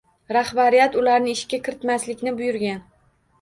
Rahbariyat ularni ishga kiritmaslikni buyurgan.